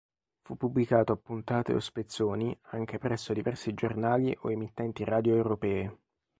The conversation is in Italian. Fu pubblicato a puntate o spezzoni anche presso diversi giornali o emittenti radio europee.